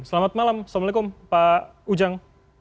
selamat malam assalamualaikum pak ujang